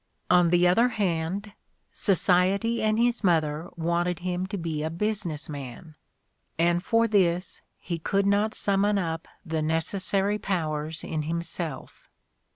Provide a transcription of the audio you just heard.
On the other hand, society and his mother wanted him to be a business man, and for this he could not summon up the necessary powers in himself.